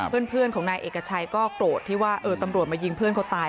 เพื่อนของนายเอกชัยก็โกรธที่ว่าตำรวจมายิงเพื่อนเขาตาย